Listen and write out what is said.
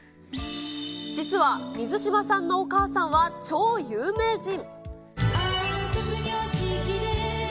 実は、水嶋さんのお母さんは超有名人。